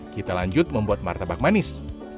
kita lanjut membuat martabak manis